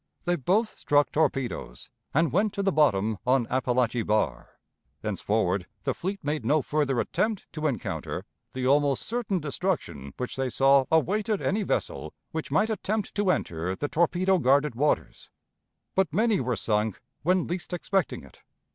They both struck torpedoes, and went to the bottom on Apalachie bar; thenceforward the fleet made no further attempt to encounter the almost certain destruction which they saw awaited any vessel which might attempt to enter the torpedo guarded waters. But many were sunk when least expecting it.